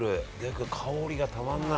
これ香りがたまんない。